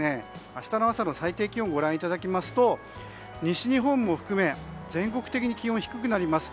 明日の朝の最低気温をご覧いただきますと西日本も含め全国的に気温低くなります。